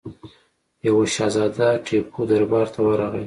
یوه شهزاده ټیپو دربار ته ورغی.